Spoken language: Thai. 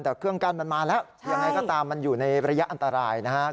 แต่เครื่องกั้นมันมาแล้วยังไงก็ตามมันอยู่ในระยะอันตรายนะครับ